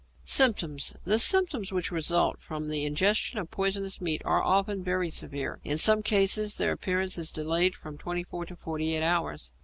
Symptoms. The symptoms which result from the ingestion of poisonous meat are often very severe. In some cases their appearance is delayed from twenty four to forty eight hours.